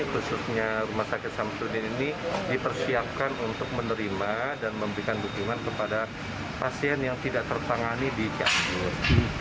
khususnya rumah sakit samsudin ini dipersiapkan untuk menerima dan memberikan dukungan kepada pasien yang tidak tertangani di cianjur